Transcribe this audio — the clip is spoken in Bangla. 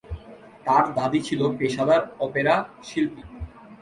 তার দাদি ছিল পেশাদার অপেরা শিল্পী।